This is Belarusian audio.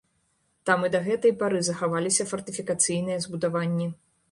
Там і да гэтай пары захаваліся фартыфікацыйныя збудаванні.